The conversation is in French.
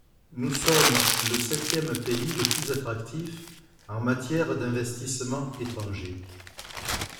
Nous sommes le septième pays le plus attractif en matière d’investissements étrangers.